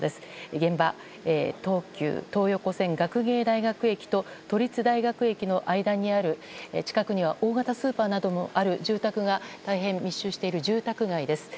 現場、東急東横線学芸大学駅と都立大学駅の間にある近くには大型スーパーなどもある住宅が大変密集している住宅街です。